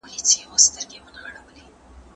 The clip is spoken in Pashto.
کمپيوټر دود ژوندی کوي.